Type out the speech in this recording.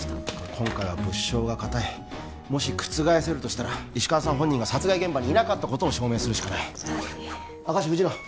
今回は物証が固い覆せるとしたら石川さん本人が殺害現場にいなかったことを証明するしかない明石藤野